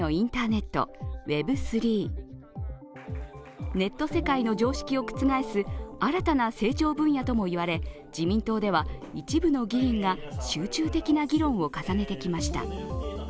ネット世界の常識を覆す新たな成長分野ともいわれ自民党では一部の議員が集中的な議論を重ねてきました。